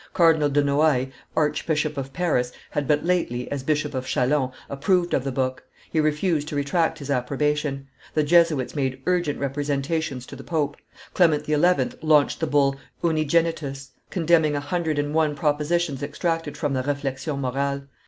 Cardinal de Noailles, Archbishop of Paris, had but lately, as Bishop of Chalons, approved of the book; he refused to retract his approbation; the Jesuits made urgent representations to the pope; Clement XI. launched the bull Unigenitus, condemning a hundred and one propositions extracted from the Reflexions morales.